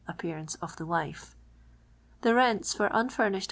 'ip[H>arauce of the wife. The rents for unfunuAhird